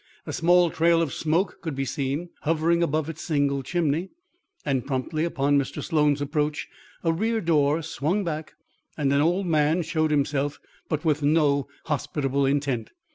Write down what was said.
A small trail of smoke could be seen hovering above its single chimney, and promptly upon Mr. Sloan's approach, a rear door swung back and an old man showed himself, but with no hospitable intent.